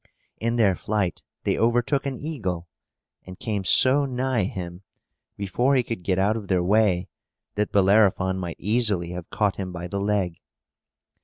In their flight they overtook an eagle, and came so nigh him, before he could get out of their way, that Bellerophon might easily have caught him by the leg.